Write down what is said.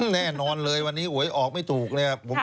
แน่นอนเลยวันนี้หวยออกไม่ถูกเนี่ย